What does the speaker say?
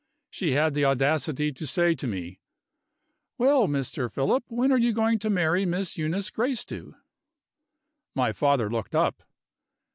She had the audacity to say to me: "Well, Mr. Philip, when are you going to marry Miss Eunice Gracedieu?" My father looked up.